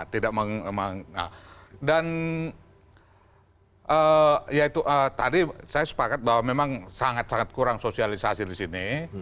tidak memang dan yaitu tadi saya sepakat bahwa memang sangat sangat kurang sosialisasi disini